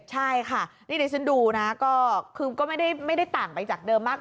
ใช่ค่ะนี่ดิฉันดูนะก็คือก็ไม่ได้ต่างไปจากเดิมมาก